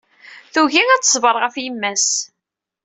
Tugi ad teṣber ɣef yemma-s.